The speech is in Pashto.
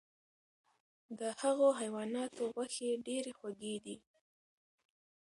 د هغو حیواناتو غوښې ډیرې خوږې دي،